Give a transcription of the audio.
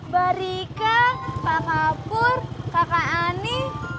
barika pak kapur kakak ani